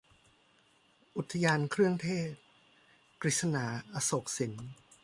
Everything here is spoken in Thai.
อุทยานเครื่องเทศ - กฤษณา อโศกสิน